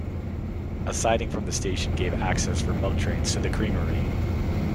A siding from the station gave access for milk trains to the creamery.